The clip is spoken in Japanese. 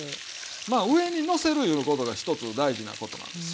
まあ上にのせるいうことが一つ大事なことなんです。